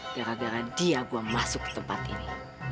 gara gara dia gua masuk ke tempat ini